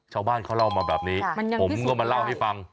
ชาวบ้านเขาเล่ามาแบบนี้ผมก็มาเล่าให้ฟัง